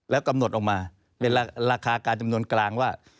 แล้วกำหนดออกมาเป็นราคาการจำนวนกลางว่า